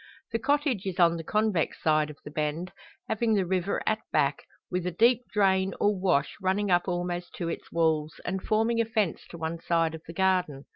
The cottage is on the convex side of the bend, having the river at back, with a deep drain, or wash, running up almost to its walls, and forming a fence to one side of the garden.